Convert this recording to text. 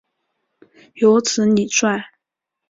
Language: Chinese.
有子李撰。